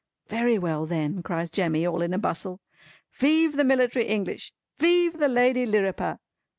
"Very well then," cries Jemmy all in a bustle. "Vive the Military English! Vive the Lady Lirriper!